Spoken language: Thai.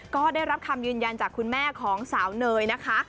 ก็ได้รับคำยืนยันจากคุณแม่ของสาวเนยนะคะ